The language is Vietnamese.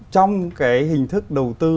trong cái hình thức đầu tư